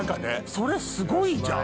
それすごいじゃん。